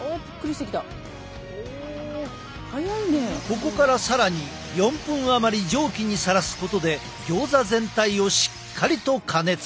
ここから更に４分余り蒸気にさらすことでギョーザ全体をしっかりと加熱。